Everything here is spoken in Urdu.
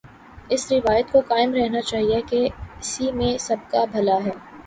اس روایت کو قائم رہنا چاہیے کہ اسی میں سب کابھلا ہے۔